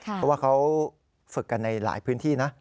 เพราะว่าเขาฝึกกันในหลายพื้นที่นะ